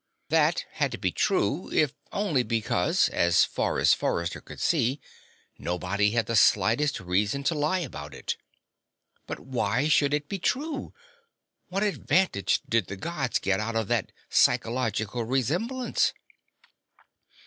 That had to be true, if only because, as far as Forrester could see, nobody had the slightest reason to lie about it. But why should it be true? What advantage did the Gods get out of that "psychological resemblance"?